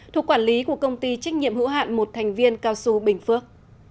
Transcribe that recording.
thuộc quản lý của công ty trách nhiệm hữu hạn một thành viên cao su bình phước